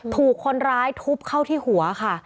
ถูกคนร้ายทุบเข้าที่หัวค่ะ